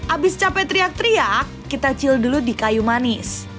abis capek teriak teriak kita cil dulu di kayu manis